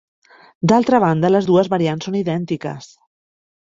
D'altra banda, les dues variants són idèntiques.